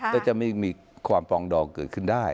และจะไม่มีความฟองดองเกิดขึ้นได้